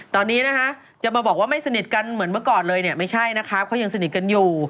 ตอนนี้นะคะจะมาบอกว่าไม่สนิทกันเหมือนเมื่อก่อนเลยเนี่ยไม่ใช่นะคะเขายังสนิทกันอยู่